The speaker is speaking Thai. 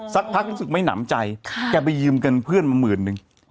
สักพักรู้สึกไม่หนำใจแกไปยืมเงินเพื่อนมาหมื่นนึง